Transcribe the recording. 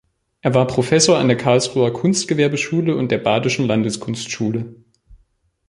Er war Professor an der Karlsruher Kunstgewerbeschule und der Badischen Landeskunstschule.